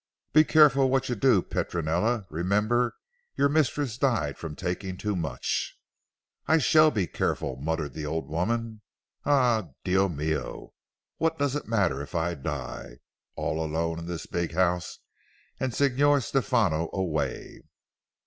"Be careful what you do Petronella. Remember your mistress died from taking too much." "I shall be careful," muttered the old woman, "eh Dio mio! what does it matter if I die? All alone in this big house, and Signor Stefano away."